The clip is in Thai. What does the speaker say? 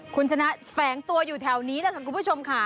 คุณชนะแฝงตัวอยู่แถวนี้แหละค่ะคุณผู้ชมค่ะ